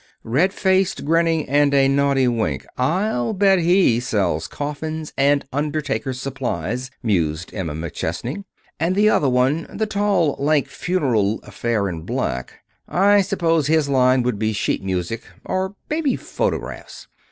"Red faced, grinning, and a naughty wink I'll bet he sells coffins and undertakers' supplies," mused Emma McChesney. "And the other one the tall, lank, funereal affair in black I suppose his line would be sheet music, or maybe phonographs.